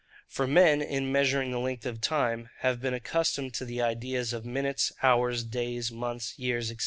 For men, in the measuring of the length of time, having been accustomed to the ideas of minutes, hours, days, months, years, &c.